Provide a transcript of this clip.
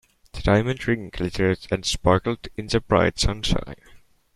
The diamond ring glittered and sparkled in the bright sunshine.